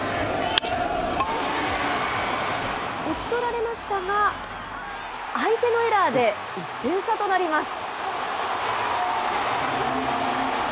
打ち取られましたが、相手のエラーで１点差となります。